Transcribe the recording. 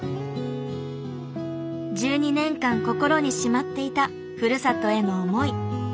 １２年間心にしまっていたふるさとへの思い。